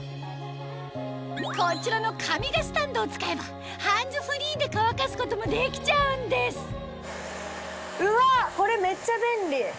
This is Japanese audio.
こちらのカミガスタンドを使えばハンズフリーで乾かすこともできちゃうんですうわ！